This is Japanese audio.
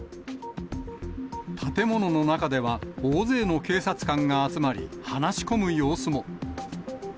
建物の中では、大勢の警察官が集まり、話し込む様子も。